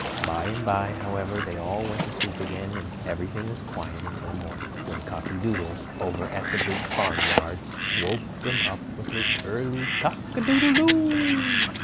By and by, however, they all went to sleep again, and everything was quiet until morning, when Cocky Doodle over at the Big Farmyard woke them up with his early Cock a doodle do.